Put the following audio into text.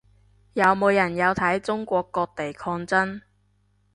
有冇人有睇中國各地抗爭